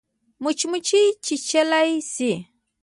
مچمچۍ چیچلای شي